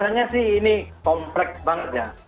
rasanya sih ini komplek banget ya